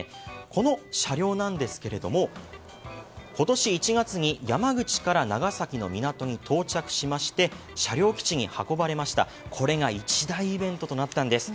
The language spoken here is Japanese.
この車両なんですが今年１月に山口から長崎の港に到着しまして車両基地に運ばれ、これが一大イベントとなったんです。